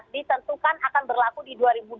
dan kemudian di dua ribu dua puluh